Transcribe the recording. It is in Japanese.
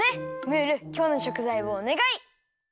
ムールきょうのしょくざいをおねがい！